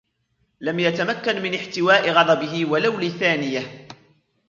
لم يتمكن من احتواء غضبه و لو لثانية.